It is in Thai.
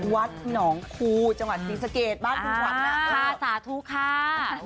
วัดหนองคู่จังหวัดศีรสเกตบ้านคุณควันท่าเว้อ